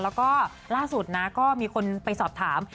แล้วก็ล่าสุดนะก็มีคนไปสอบถาม